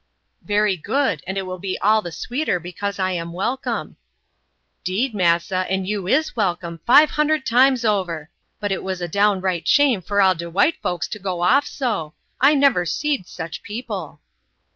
"Very good; and it will be all the sweeter because I am welcome." "'Deed massa, and you is welcome, five hundred times over! But it was a downright shame for all de white folks to go off so. I never seed such people."